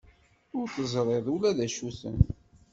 Ur teẓriḍ ula d acu-ten.